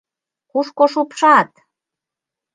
Кушко шупшат!..